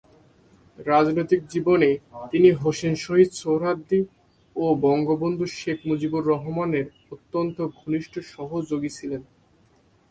রাজনৈতিক জীবনে তিনি হোসেন শহীদ সোহরাওয়ার্দী ও বঙ্গবন্ধু শেখ মুজিবুর রহমানের অত্যন্ত ঘনিষ্ঠ সহযোগী ছিলেন।